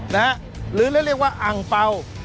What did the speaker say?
หรือเรียกว่าอังเปล่า